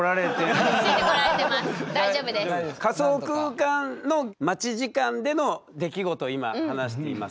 仮想空間の待ち時間での出来事を今話しています。